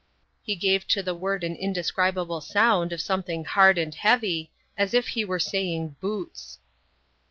He gave to the word an indescribable sound of something hard and heavy, as if he were saying "boots".